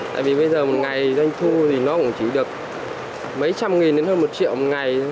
tại vì bây giờ một ngày doanh thu thì nó cũng chỉ được mấy trăm nghìn đến hơn một triệu một ngày